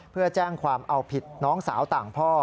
เพื่อแจ้งความเอาผิดน้องสาวต่างพ่อ